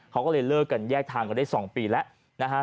เขาก็เลยเลิกกันแยกทางกันได้๒ปีแล้วนะฮะ